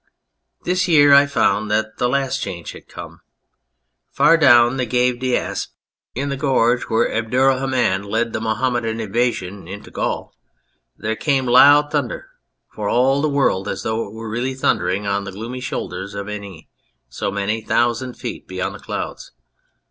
This year I found that the last change had come. Far down the Gave d'Aspe, in the gorge where 263 On Anything Abdurrahman led the Mohammedan invasion into Gaul, there came loud thunders, for all the world as though it were really thundering on the gloomy shoulders of Anie, so many thousand feet beyond the clouds.